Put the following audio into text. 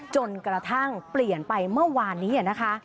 จนกระทั่งเปลี่ยนไปเมื่อวานนี้นะคะ